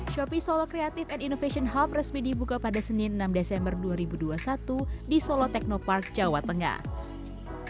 shopee solo creative and innovation hub resmi dibuka pada senin enam desember dua ribu dua puluh satu di solo technopark jawa tengah